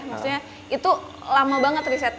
maksudnya itu lama banget riset